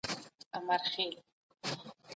د اروپا تاريخ ډېرې لوړې ژورې لري.